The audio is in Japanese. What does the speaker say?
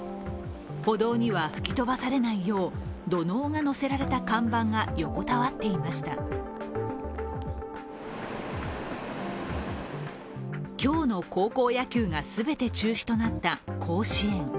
歩道には吹き飛ばされないよう土のうが載せられた看板が横たわっていました今日の高校野球が全て中止となった甲子園。